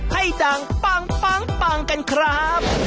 ให้ดังปังกันครับ